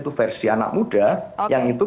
itu versi anak muda yang itu